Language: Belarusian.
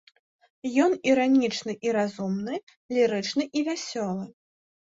Ён іранічны і разумны, лірычны і вясёлы.